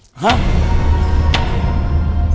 ฮะ